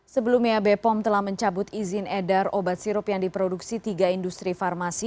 sebelumnya bepom telah mencabut izin edar obat sirup yang diproduksi tiga industri farmasi